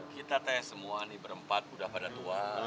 kita teteh semua ini berempat sudah pada tua